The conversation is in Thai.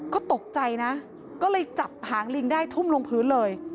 ก็ตกใจนะก็เลยจับหางลิงได้ทุ่มลงพื้นเลย